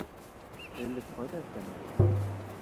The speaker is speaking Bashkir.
Элек ҡайҙа эшләнегеҙ?